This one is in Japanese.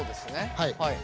はい。